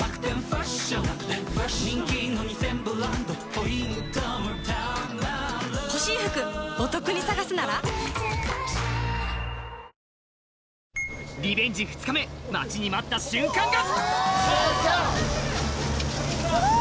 ペイトクリベンジ２日目待ちに待った瞬間が！